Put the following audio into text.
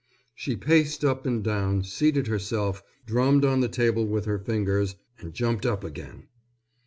She paced up and down, seated herself, drummed on the table with her fingers, and jumped up again.